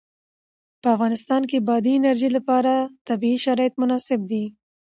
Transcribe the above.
په افغانستان کې د بادي انرژي لپاره طبیعي شرایط مناسب دي.